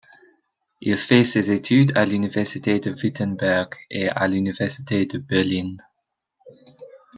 Il fait ses études à l'université de Wittenberg et à l'université de Berlin.